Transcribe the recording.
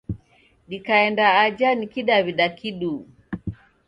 Dikaenda aja ni Kidaw'ida kiduu.